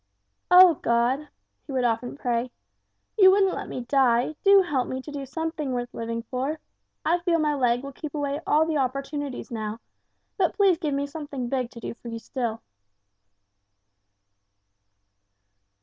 "Oh, God," he would often pray, "you wouldn't let me die, do help me to do something worth living for. I feel my leg will keep away all the opportunities now, but please give me something big to do for you still."